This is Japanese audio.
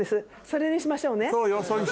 それにしましょう。